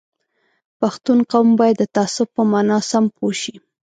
پښتون قوم باید د تعصب په مانا سم پوه شي